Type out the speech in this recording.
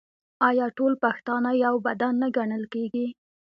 آیا ټول پښتانه یو بدن نه ګڼل کیږي؟